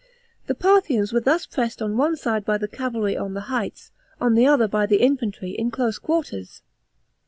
The Parthians were thus pressed on one side by the cavalry on the heights, on the other by the infantry in close quarters.